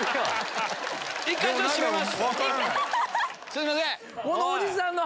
すいません。